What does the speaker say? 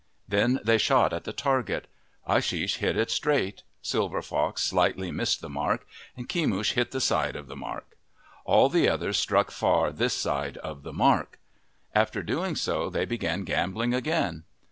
Then they shot at the target. Ashish hit it straight ; Silver Fox slightly missed the mark ; Kemush hit this side of the mark. All the others struck far this side of the mark. After doing so they began gambling again.